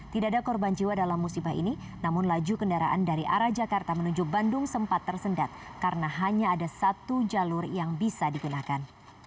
tidak ada korban jiwa dalam musibah ini namun laju kendaraan dari arah jakarta menuju bandung sempat tersendat karena hanya ada satu jalur yang bisa digunakan